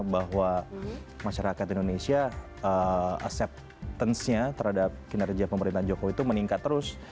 bahwa masyarakat indonesia acceptance nya terhadap kinerja pemerintahan jokowi itu meningkat terus